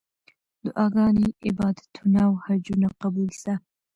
دعاګانې، عبادتونه او حجونه قبول سه.